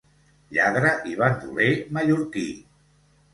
Lladre i bandoler mallorquí.